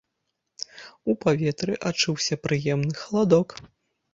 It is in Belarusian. У паветры адчуўся прыемны халадок.